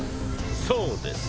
そうです。